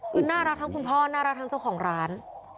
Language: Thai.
คือน่ารักทั้งคุณพ่อน่ารักทั้งเจ้าของร้าน